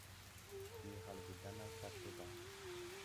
Je halge da nãy kag debaŋ.